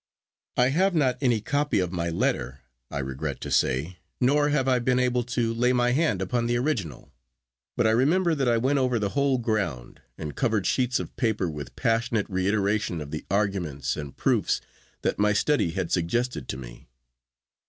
I have not any copy of my letter, I regret to say, nor have I been able to lay my hand upon the original; but I remember that I went over the whole ground, and covered sheets of paper with passionate reiteration of the arguments and proofs that my study had suggested to me.